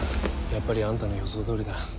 やっぱりあんたの予想通りだ。